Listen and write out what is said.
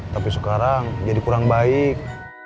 tapi sekarang jadi kurang baik